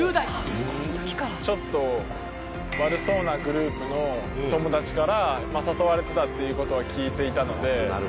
ちょっと悪そうなグループの友達から誘われてたっていうことは聞いていたので。